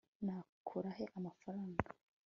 nakura he amafaranga